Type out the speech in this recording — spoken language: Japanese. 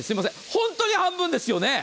本当に半分ですよね。